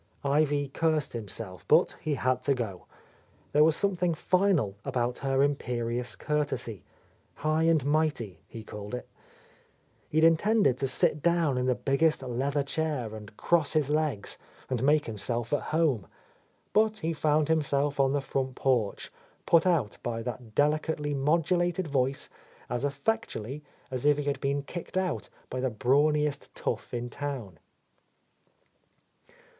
Ivy cursed himself, but he had to go. There was something final about her imperious cour tesy, — high and mighty, he called it. He had intended to sit down in the biggest leather chair and cross his legs and make himself at home ; but he found himself on the front porch, put out by that delicately modulated voice as effectually as if he had been kicked out by the brawniest tough in town.